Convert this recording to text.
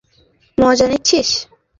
তুই মজা নিচ্ছিস?